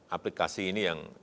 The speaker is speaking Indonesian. aplikasi ini yang